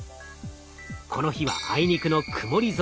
この日はあいにくの曇り空。